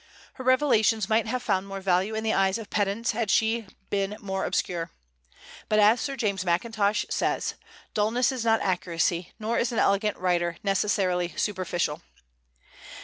Her revelations might have found more value in the eyes of pedants had she been more obscure. But, as Sir James Mackintosh says, "Dullness is not accuracy, nor is an elegant writer necessarily superficial."